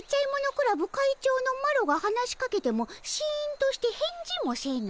クラブ会長のマロが話しかけてもシンとして返事もせぬ。